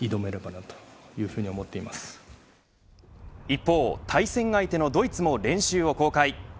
一方対戦相手のドイツも練習を公開。